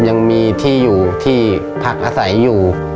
ยังมีที่อยู่ที่พักอาศัยอยู่